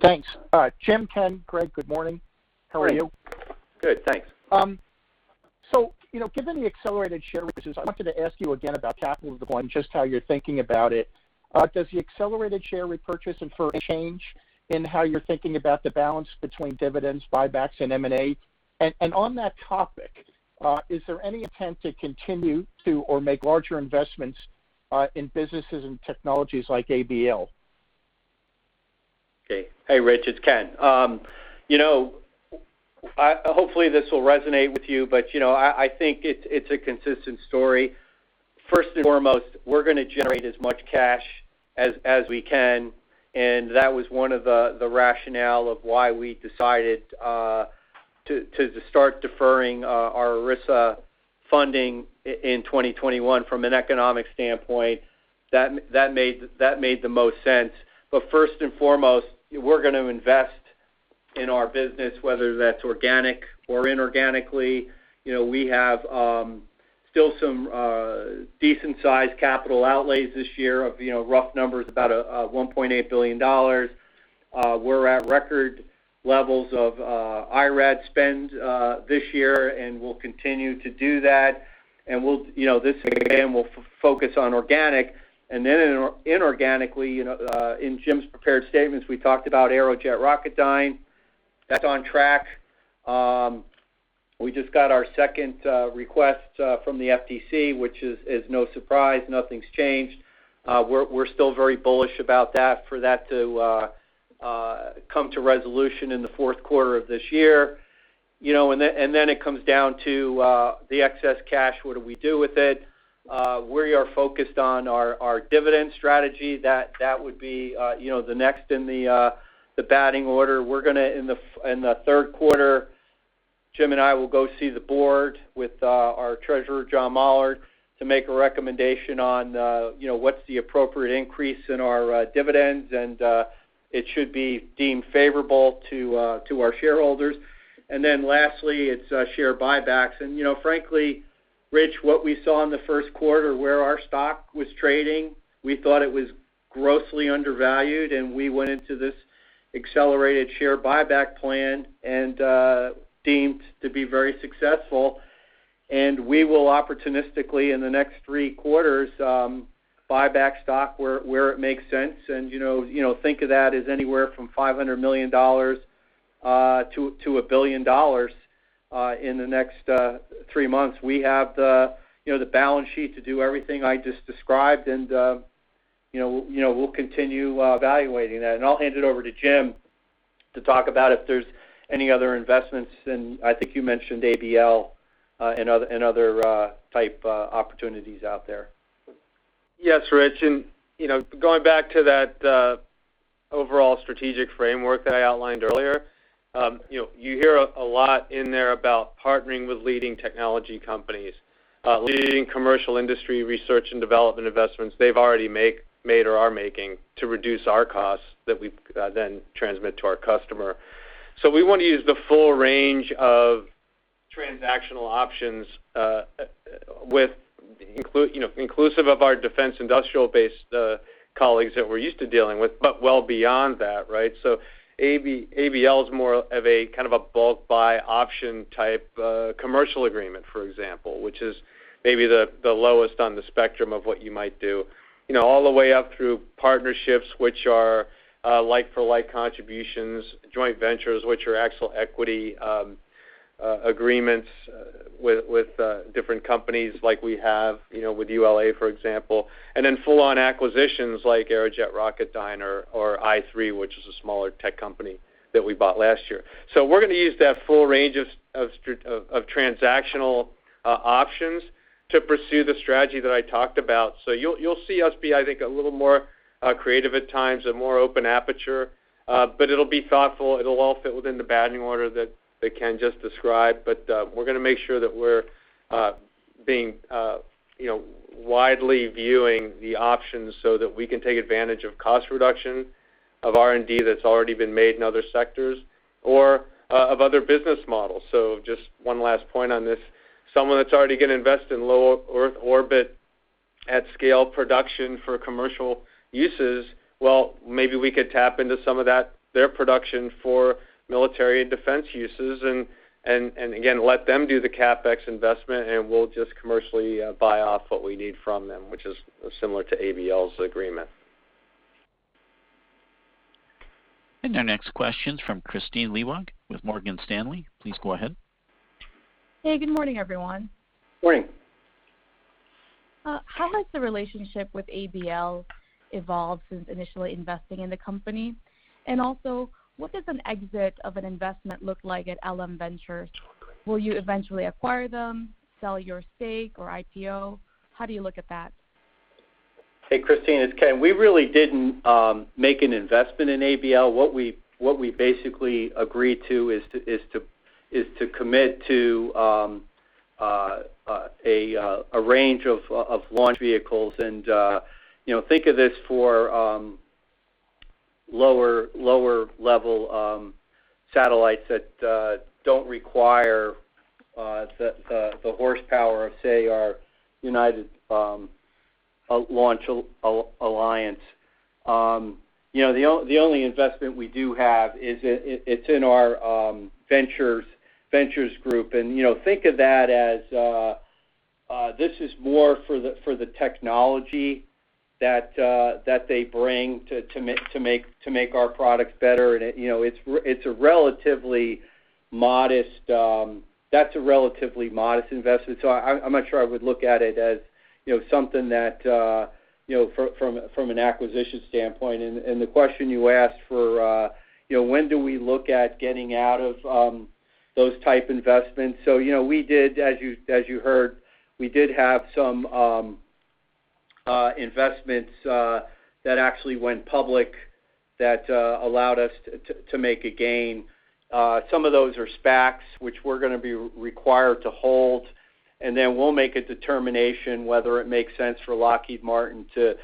Thanks. Jim, Ken, Greg, good morning. How are you? Good. Thanks. Given the accelerated share repurchases, I wanted to ask you again about capital deployment, just how you're thinking about it. Does the accelerated share repurchase infer a change in how you're thinking about the balance between dividends, buybacks, and M&A? On that topic, is there any intent to continue to or make larger investments in businesses and technologies like ABL? Okay. Hey, Rich. It's Ken. Hopefully, this will resonate with you, but I think it's a consistent story. First and foremost, we're going to generate as much cash as we can, and that was one of the rationale of why we decided to start deferring our ERISA funding in 2021 from an economic standpoint. That made the most sense. First and foremost, we're going to invest in our business, whether that's organic or inorganically. We have still some decent-sized capital outlays this year of rough numbers, about $1.8 billion. We're at record levels of IRAD spend this year, and we'll continue to do that. This year, again, we'll focus on organic. Inorganically, in Jim's prepared statements, we talked about Aerojet Rocketdyne. That's on track. We just got our second request from the FTC, which is no surprise. Nothing's changed. We're still very bullish about that, for that to come to resolution in the fourth quarter of this year. It comes down to the excess cash. What do we do with it? We are focused on our dividend strategy. That would be the next in the batting order. We're going to, in the third quarter, Jim and I will go see the board with our Treasurer, John Mollard, to make a recommendation on what's the appropriate increase in our dividends, and it should be deemed favorable to our shareholders. Lastly, it's share buybacks. Frankly, Rich, what we saw in the first quarter, where our stock was trading, we thought it was grossly undervalued, and we went into this accelerated share buyback plan and deemed to be very successful. We will opportunistically, in the next three quarters, buy back stock where it makes sense. Think of that as anywhere from $500 million-$1 billion in the next three months. We have the balance sheet to do everything I just described, and we'll continue evaluating that. I'll hand it over to Jim to talk about if there's any other investments, and I think you mentioned ABL, and other type opportunities out there. Yes, Rich, going back to that overall strategic framework that I outlined earlier, you hear a lot in there about partnering with leading technology companies, leading commercial industry research and development investments they've already made or are making to reduce our costs that we then transmit to our customer. We want to use the full range of transactional options inclusive of our defense industrial base colleagues that we're used to dealing with, but well beyond that, right? ABL is more of a kind of a bulk buy option type commercial agreement, for example, which is maybe the lowest on the spectrum of what you might do, all the way up through partnerships, which are like-for-like contributions, joint ventures, which are actual equity agreements with different companies like we have with ULA, for example, and then full-on acquisitions like Aerojet Rocketdyne or i3, which is a smaller tech company that we bought last year. We're going to use that full range of transactional options to pursue the strategy that I talked about. You'll see us be, I think, a little more creative at times, a more open aperture. It'll be thoughtful. It'll all fit within the batting order that Ken just described. We're going to make sure that we're widely viewing the options so that we can take advantage of cost reduction of R&D that's already been made in other sectors or of other business models. Just one last point on this, someone that's already going to invest in low Earth orbit at scale production for commercial uses, well, maybe we could tap into some of their production for military and defense uses, and again, let them do the CapEx investment, and we'll just commercially buy off what we need from them, which is similar to ABL's agreement. Our next question's from Kristine Liwag with Morgan Stanley. Please go ahead. Hey, good morning, everyone. Morning. How has the relationship with ABL evolved since initially investing in the company? Also, what does an exit of an investment look like at LM Ventures? Will you eventually acquire them, sell your stake, or IPO? How do you look at that? Hey, Kristine, it's Ken. We really didn't make an investment in ABL. What we basically agreed to is to commit to a range of launch vehicles. Think of this for lower-level satellites that don't require the horsepower of, say, our United Launch Alliance. The only investment we do have, it's in our Ventures group. Think of that as this is more for the technology that they bring to make our products better. That's a relatively modest investment. I'm not sure I would look at it as something that from an acquisition standpoint. The question you asked for when do we look at getting out of those type investments. We did, as you heard, we did have some investments that actually went public that allowed us to make a gain. Some of those are SPACs, which we're going to be required to hold, and then we'll make a determination whether it makes sense for Lockheed Martin to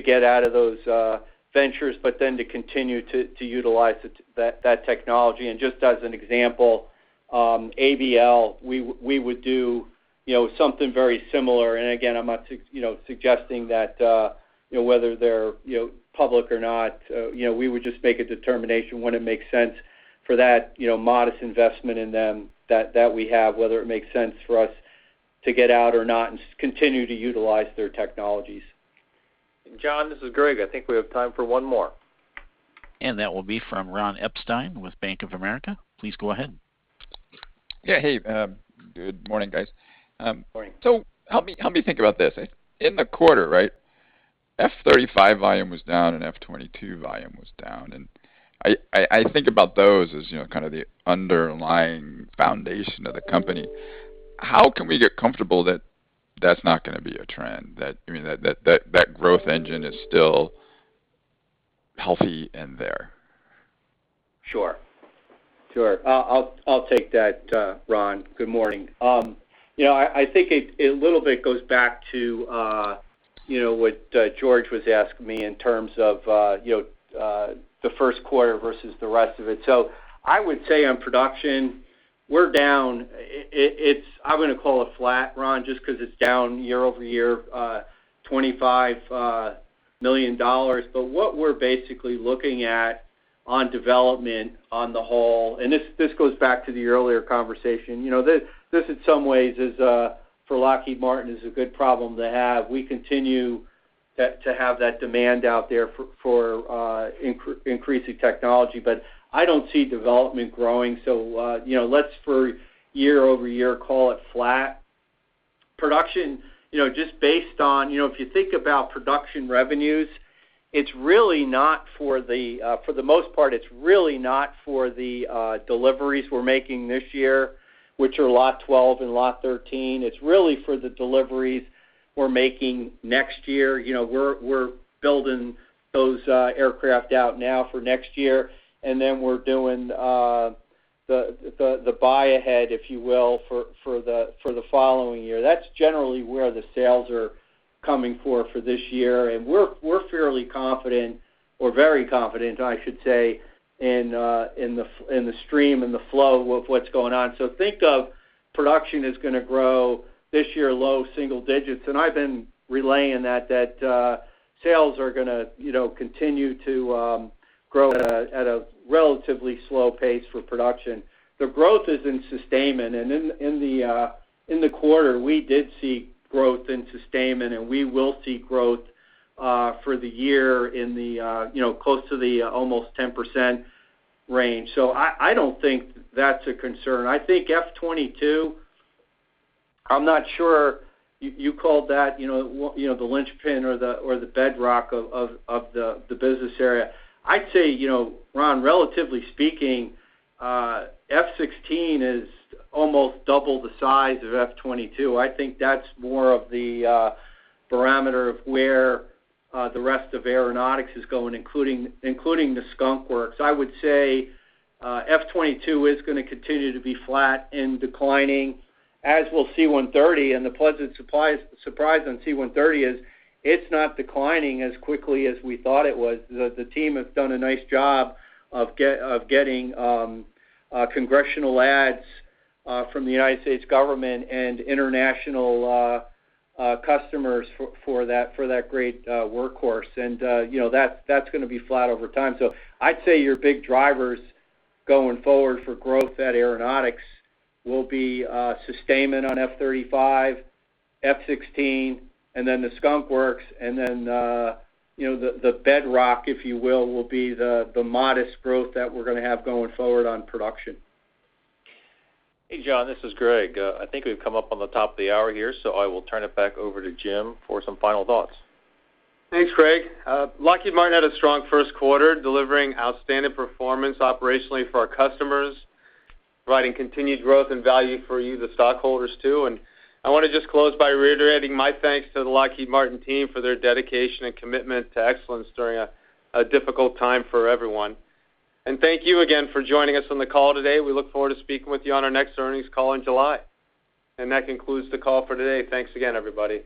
get out of those ventures, but then to continue to utilize that technology. Just as an example, ABL, we would do something very similar. Again, I'm not suggesting that whether they're public or not. We would just make a determination when it makes sense for that modest investment in them that we have, whether it makes sense for us to get out or not and continue to utilize their technologies. John, this is Greg. I think we have time for one more. That will be from Ron Epstein with Bank of America. Please go ahead. Yeah. Hey, good morning, guys. Morning. Help me think about this. In the quarter, right? F-35 volume was down and F-22 volume was down, and I think about those as kind of the underlying foundation of the company. How can we get comfortable that that's not going to be a trend, that growth engine is still healthy and there? Sure. I'll take that, Ron. Good morning. I think it a little bit goes back to what George was asking me in terms of the first quarter versus the rest of it. I would say on production, we're down. I'm going to call it flat, Ron, just because it's down year-over-year $25 million. What we're basically looking at on development on the whole, and this goes back to the earlier conversation, this in some ways for Lockheed Martin is a good problem to have. We continue to have that demand out there for increasing technology. I don't see development growing, let's for year-over-year call it flat. Production, if you think about production revenues, for the most part, it's really not for the deliveries we're making this year, which are Lot 12 and Lot 13. It's really for the deliveries we're making next year. We're building those aircraft out now for next year, and then we're doing the buy ahead, if you will, for the following year. That's generally where the sales are coming for for this year, and we're fairly confident, or very confident, I should say, in the stream and the flow of what's going on. Think of production is going to grow this year low single digits. I've been relaying that sales are going to continue to grow at a relatively slow pace for production. The growth is in sustainment, and in the quarter, we did see growth in sustainment, and we will see growth for the year close to the almost 10% range. I don't think that's a concern. I think F-22, I'm not sure, you called that the linchpin or the bedrock of the business area. I'd say, Ron, relatively speaking, F-16 is almost double the size of F-22. I think that's more of the barometer of where the rest of Aeronautics is going, including the Skunk Works. I would say F-22 is going to continue to be flat and declining, as will C-130. The pleasant surprise on C-130 is it's not declining as quickly as we thought it was. The team has done a nice job of getting congressional ads from the United States government and international customers for that great workhorse. That's going to be flat over time. I'd say your big drivers going forward for growth at Aeronautics will be sustainment on F-35, F-16, and then the Skunk Works, and then the bedrock, if you will be the modest growth that we're going to have going forward on production. Hey, John, this is Greg. I think we've come up on the top of the hour here, so I will turn it back over to Jim for some final thoughts. Thanks, Greg. Lockheed Martin had a strong first quarter, delivering outstanding performance operationally for our customers, providing continued growth and value for you, the stockholders, too. I want to just close by reiterating my thanks to the Lockheed Martin team for their dedication and commitment to excellence during a difficult time for everyone. Thank you again for joining us on the call today. We look forward to speaking with you on our next earnings call in July. That concludes the call for today. Thanks again, everybody.